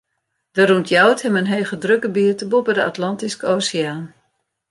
Der ûntjout him in hegedrukgebiet boppe de Atlantyske Oseaan.